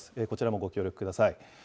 こちらもご協力ください。